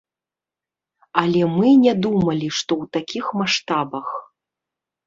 Але мы не думалі, што ў такіх маштабах!